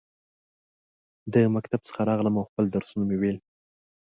د مکتب څخه راغلم ، او خپل درسونه مې وویل.